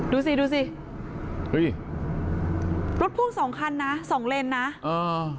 ดูสิดูสิเฮ้ยรถพ่วงสองคันนะสองเลนนะเออ